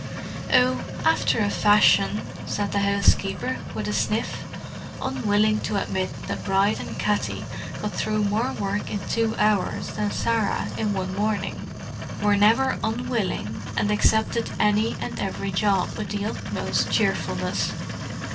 "Oh, after a fashion," said the housekeeper, with a sniff—unwilling to admit that Bride and Katty got through more work in two hours than Sarah in a morning, were never unwilling, and accepted any and every job with the utmost cheerfulness.